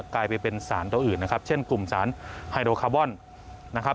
กลายเป็นสารตัวอื่นนะครับเช่นกลุ่มสารไฮโดคาร์บอนนะครับ